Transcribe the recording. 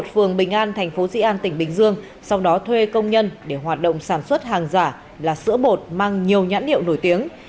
phường bình an thành phố di an tỉnh bình dương sau đó thuê công nhân để hoạt động sản xuất hàng giả là sữa bột mang nhiều nhãn hiệu nổi tiếng